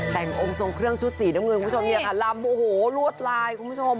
แต่งองค์ทรงเครื่องชุดสีน้ำเงินคุณผู้ชมเนี่ยค่ะลำโอ้โหลวดลายคุณผู้ชม